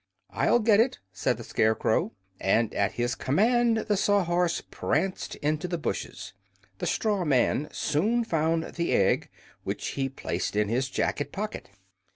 "I'll get it," said the Scarecrow; and at his command the Sawhorse pranced into the bushes. The straw man soon found the egg, which he placed in his jacket pocket.